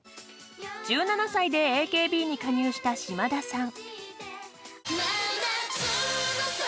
１７歳でＡＫＢに加入した島田さん。